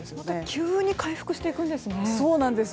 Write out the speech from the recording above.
急に回復していくんですね。